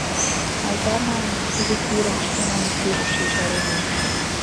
— Айда, маньым, тиде пӱрым шкенан пӱрыш ешарена.